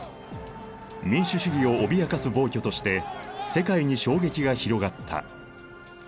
民主主義を脅かす暴挙として世界に衝撃が広がった。